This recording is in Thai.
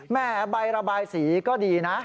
แม่ใบระบายสีก็ดีนะ